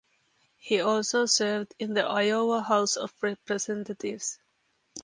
He also served in the Iowa House of Representatives.